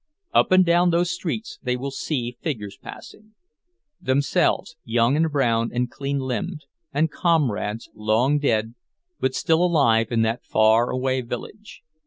Up and down those streets they will see figures passing; themselves, young and brown and clean limbed; and comrades, long dead, but still alive in that far away village.